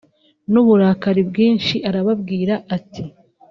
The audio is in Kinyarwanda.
n’ uburakari bwinshi arababwira ati